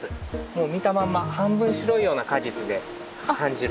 もう見たまんま半分白いような果実で半白。